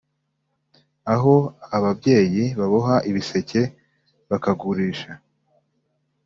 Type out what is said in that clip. aho ababyeyi baboha ibiseke bakagurisha